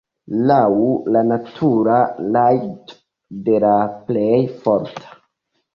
Laŭ la natura rajto de la plej forta.